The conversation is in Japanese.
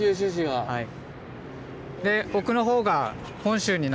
はい。